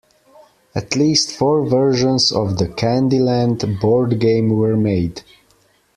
At least four versions of the "Candy Land" board game were made.